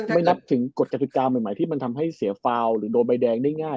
ไม่นับถึงกฎกติกาใหม่ที่มันทำให้เสียฟาวหรือโดนใบแดงได้ง่าย